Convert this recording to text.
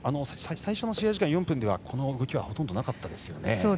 最初の試合時間４分ではこの動きはほとんどなかったですね。